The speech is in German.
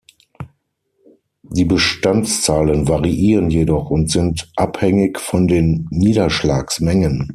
Die Bestandszahlen variieren jedoch und sind abhängig von den Niederschlagsmengen.